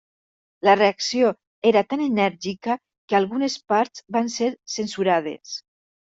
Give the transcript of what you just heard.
La reacció era tan enèrgica que algunes parts van ser censurades.